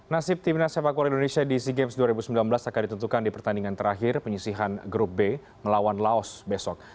nasib timnas sepak bola indonesia di sea games dua ribu sembilan belas akan ditentukan di pertandingan terakhir penyisihan grup b melawan laos besok